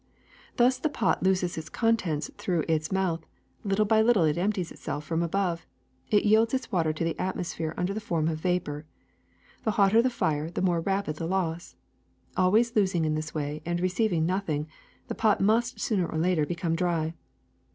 ^' Thus the pot loses its contents through its mouth ; little by little it empties itself from above ; it yields its water to the atmosphere under the form of vapor. The hotter the fire the more rapid the loss. Always losing in this way and receiving nothing, the pot must sooner or later become dry.